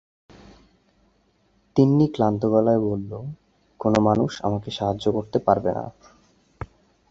তিন্নি ক্লান্ত গলায় বলল, কোনো মানুষ আমাকে সাহায্য করতে পারবে না।